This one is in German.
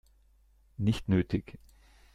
Nicht nötig.